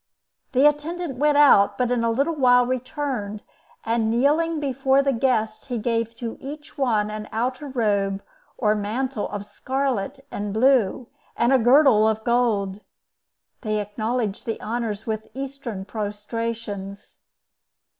The attendant went out, but in a little while returned, and, kneeling before the guests, gave to each one an outer robe or mantle of scarlet and blue, and a girdle of gold. They acknowledged the honors with Eastern prostrations.